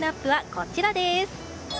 こちらです。